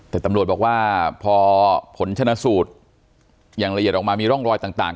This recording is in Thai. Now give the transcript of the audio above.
แต่ตำรวจบอกว่าพอผลชนะสูตรอย่างละเอียดออกมามีร่องรอยต่าง